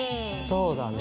そうだね。